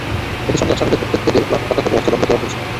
একই সঙ্গে আসামিদের প্রত্যেককে দেড় লাখ টাকা করে অর্থদণ্ড দেওয়া হয়েছে।